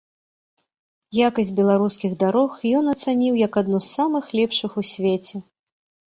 Якасць беларускіх дарог ён ацаніў як адну з самых лепшых у свеце.